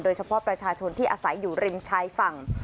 โดยเฉพาะประชาชนที่อาศัยอยู่ริมชายฝั่ง